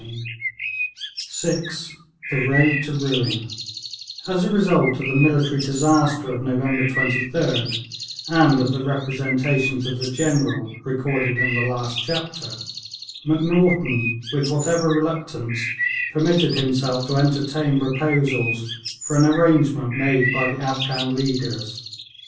CHAPTER VI: THE ROAD TO RUIN As the result of the military disaster of November 23d, and of the representations of the General, recorded in the last chapter, Macnaghten, with whatever reluctance, permitted himself to entertain proposals for an arrangement made by the Afghan leaders.